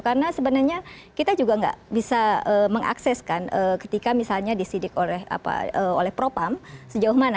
karena sebenarnya kita juga nggak bisa mengakseskan ketika misalnya disidik oleh propam sejauh mana